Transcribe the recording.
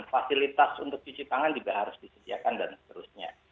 fasilitas untuk cuci tangan juga harus disediakan dan seterusnya